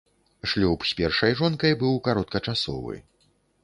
Шлюб з першай жонкай быў кароткачасовы.